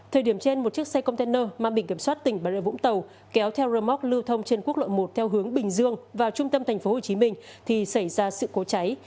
thời điểm trên một chiếc xe container mang bình kiểm soát tỉnh bà rợi vũng tàu kéo theo rơ móc lưu thông trên quốc lộ một theo hướng bình dương vào trung tâm tp hcm thì xảy ra sự cố cháy